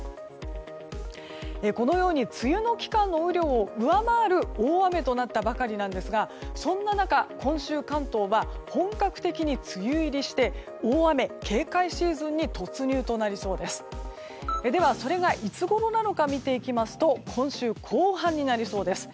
このように梅雨の期間の雨量を上回る大雨となったばかりなんですがそんな中、今週、関東は本格的に梅雨入りして大雨警戒シーズンに突入となりそうでそれがいつごろなのか見ていきますと今週後半になりそうです。